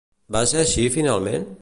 Va ser així, finalment?